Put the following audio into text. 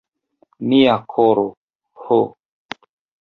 Mia koro, ho!